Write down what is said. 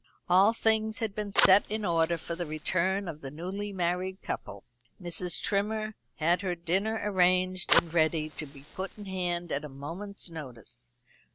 All things had been set in order for the return of the newly married couple. Mrs. Trimmer had her dinner arranged and ready to be put in hand at a moment's notice.